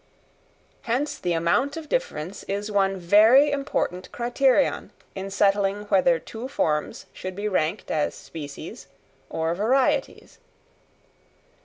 Hence the amount of difference is one very important criterion in settling whether two forms should be ranked as species or varieties.